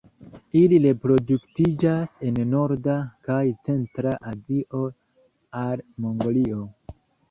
Ili reproduktiĝas en norda kaj centra Azio al Mongolio.